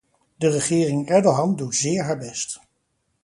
De regering-Erdogan doet zeer haar best.